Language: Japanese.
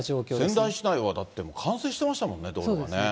仙台市内はだって、冠水してましたもんね、道路がね。